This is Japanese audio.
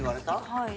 はい。